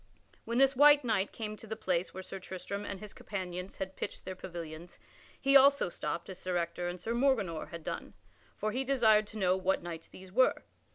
When this white knight came to the place where Sir Tristram and his companions had pitched their pavilions, he also stopped as Sir Ector and Sir Morganor had done, for he desired to know what knights these were.